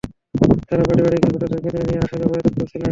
তাঁরা বাড়ি বাড়ি গিয়ে ভোটারদের কেন্দ্রে নিয়ে আসার ব্যাপারে তৎপর ছিলেন।